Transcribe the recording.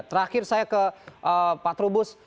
terakhir saya ke pak trubus